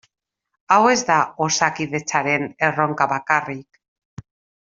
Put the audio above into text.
Hau ez da Osakidetzaren erronka bakarrik.